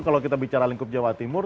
kalau kita bicara lingkup jawa timur